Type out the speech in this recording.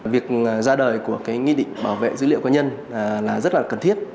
việc ra đời của cái nghị định bảo vệ dữ liệu cá nhân là rất là cần thiết